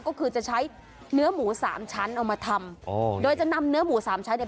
ก็คือจะใช้เนื้อหมูสามชั้นเอามาทำอ๋อโดยจะนำเนื้อหมูสามชั้นเนี่ย